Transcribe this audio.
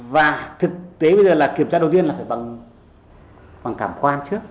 và thực tế bây giờ là kiểm tra đầu tiên là phải bằng cảm quan trước